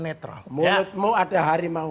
netral ya mau ada hari mau